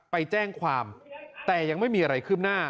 ไปแจ้งความแต่ยังไม่มีอะไรขึ้นหน้า